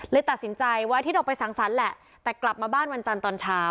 ตัดสินใจวันอาทิตย์ออกไปสั่งสรรค์แหละแต่กลับมาบ้านวันจันทร์ตอนเช้า